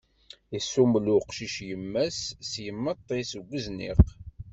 Isummel uqcic yemma-s s yimeṭṭi deg uzniq.